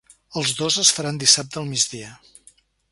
Els dos es faran dissabte al migdia.